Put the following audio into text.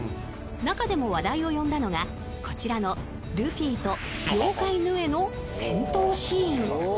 ［中でも話題を呼んだのがこちらのルフィと妖怪ぬえの戦闘シーン］